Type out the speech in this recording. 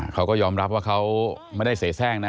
เขาก็ยอมรับว่าเขาไม่ได้เสียแทรกนะ